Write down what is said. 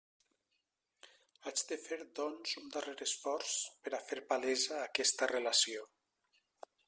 Haig de fer, doncs, un darrer esforç per a fer palesa aquesta relació.